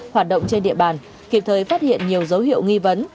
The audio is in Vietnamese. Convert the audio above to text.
hoạt động trên địa bàn kịp thời phát hiện nhiều dấu hiệu nghi vấn